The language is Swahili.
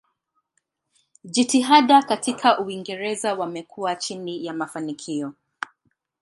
Jitihada katika Uingereza wamekuwa chini ya mafanikio.